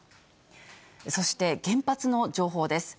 そして、原発の情報です。